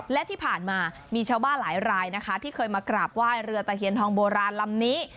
และที่ผ่านมามีชาวบ้านหลายรายนะคะที่เคยมากราบไหว้เรือตะเคียนทองโบราณลำนี้